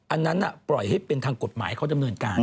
อันนั้นปล่อยให้เป็นทางกฎหมายเขาดำเนินการ